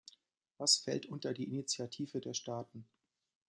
Was fällt unter die Initiative der Staaten?